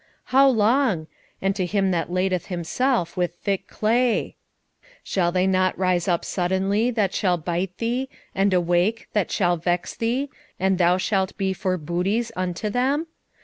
how long? and to him that ladeth himself with thick clay! 2:7 Shall they not rise up suddenly that shall bite thee, and awake that shall vex thee, and thou shalt be for booties unto them?